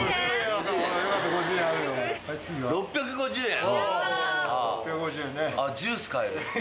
６５０円。